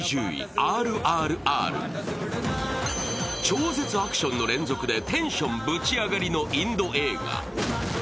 超絶アクションの連続でテンションぶち上がりのインド映画。